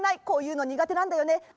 こういうのにがてなんだよね。